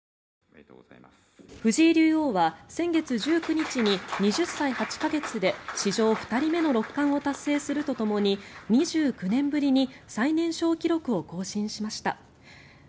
藤井竜王は先月１９日に２０歳８か月で史上２人目の六冠を達成するとともに２９年ぶりに最年少記録を更新しました。